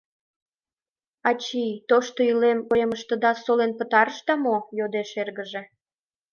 — Ачий, тошто илем коремыштыда солен пытарышда мо? — йодеш эргыже.